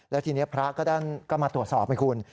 แล้วทีนี้พระก็มาตรวจสอบให้คุณ